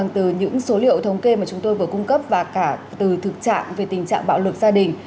từ những số liệu thống kê mà chúng tôi vừa cung cấp và cả từ thực trạng về tình trạng bạo lực gia đình